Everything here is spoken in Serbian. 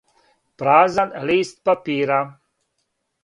Празан лист папира.